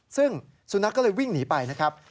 ซึ่งสุนัขก็เลยวิ่งหนีไปนะครับ